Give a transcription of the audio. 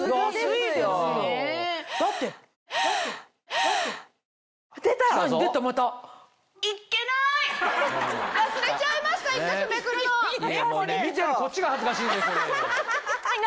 見てるこっちが恥ずかしいですよ。